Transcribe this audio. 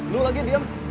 lu lagi diem